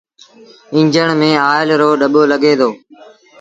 ايٚݩجڻ ميݩ آئيل رو ڏٻو لڳي دو۔